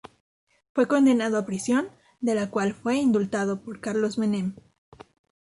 Fue condenado a prisión, de la cual fue indultado por Carlos Menem.